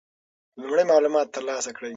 لومړی معلومات ترلاسه کړئ.